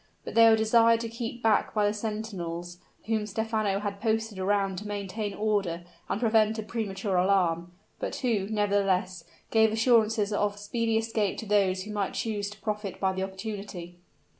But they were desired to keep back by the sentinels, whom Stephano had posted around to maintain order and prevent a premature alarm, but who, nevertheless, gave assurances of speedy escape to those who might choose to profit by the opportunity.